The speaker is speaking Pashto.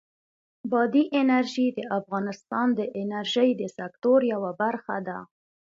بادي انرژي د افغانستان د انرژۍ د سکتور یوه برخه ده.